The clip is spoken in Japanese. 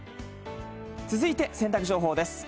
続いて洗濯情報です。